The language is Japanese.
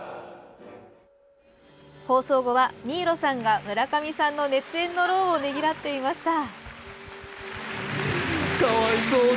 放送後は新納さんが、村上さんの熱演の労をねぎらっていました。